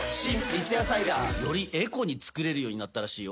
三ツ矢サイダー』よりエコに作れるようになったらしいよ。